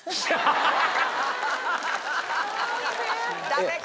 ダメか。